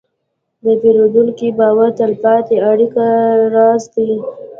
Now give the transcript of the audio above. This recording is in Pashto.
د پیرودونکي باور د تلپاتې اړیکې راز دی.